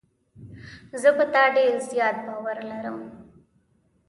زه په تا ډېر زیات باور لرم.